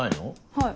はい。